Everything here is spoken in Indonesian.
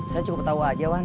saya cukup tahu aja wan